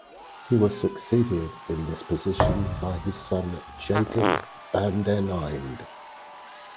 He was succeeded in this position by his son Jacob van den Eynde.